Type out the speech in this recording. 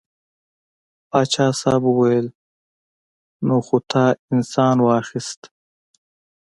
پاچا صاحب وویل نو خو تا انسان واخیست.